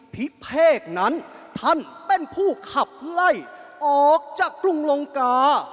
พิเพศนั้นท่านเป็นผู้ขับไล่ออกจากกรุงลงกา